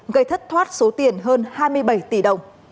gây thất thoát số tiền hơn hai mươi bảy tỷ đồng